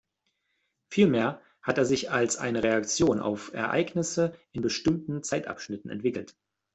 Vielmehr hat er sich als eine Reaktion auf Ereignisse in bestimmten Zeitabschnitten entwickelt.